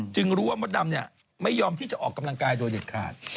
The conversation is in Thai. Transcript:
รู้ว่ามดดำไม่ยอมที่จะออกกำลังกายโดยเด็ดขาด